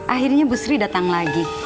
akhirnya ibu sri datang lagi